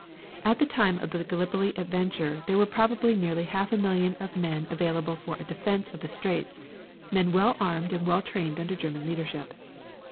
At the time of the Gallipoli adventure there were probably nearly half a million of men available for a defense of the straits, men well armed and well trained under German leadership.